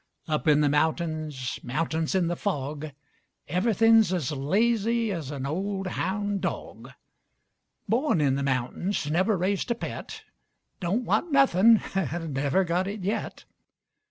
Up in the mountains, mountains in the fog, Everythin's as lazy as an old houn' dog. Born in the mountains, never raised a pet, Don't want nuthin' an' never got it yet.